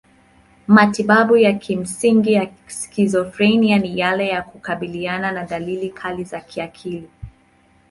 Matibabu ya kimsingi ya skizofrenia ni yale ya kukabiliana na dalili kali za kiakili.